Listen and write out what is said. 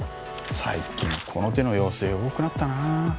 最近この手の要請多くなったなあ。